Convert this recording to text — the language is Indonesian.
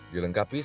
terima kasih pak